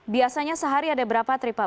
biasanya sehari ada berapa trip reguler